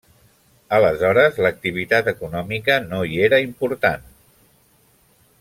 Aleshores l'activitat econòmica no hi era important.